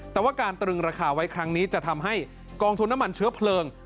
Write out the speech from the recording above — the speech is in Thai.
แต่ว่าการตรึงราคาไว้ครั้งนี้จะทำให้กองทุนน้ำมันเชื้อเพลิง